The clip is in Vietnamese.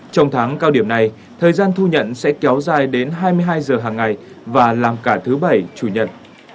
trong tháng cao điểm này thời gian thu nhận sẽ kéo dài đến hai mươi hai giờ hàng ngày và làm cả thứ bảy chủ nhật